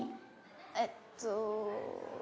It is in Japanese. えっと。